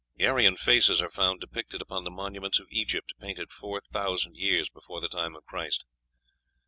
Aryan faces are found depicted upon the monuments of Egypt, painted four thousand years before the time of Christ.